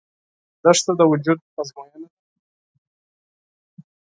دښته د وجود ازموینه ده.